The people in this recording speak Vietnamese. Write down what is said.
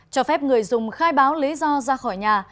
cho phép người dùng khai báo lý do ra khỏi nhà